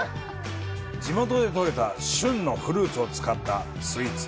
地元で取れた旬のフルーツを使ったスイーツ。